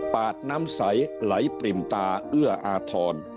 ปาดน้ำใสไหลปริ่มตาเอื้ออาทร